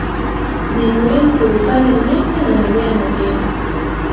Ni muhimu kuhifadhi miti na mimea muhimu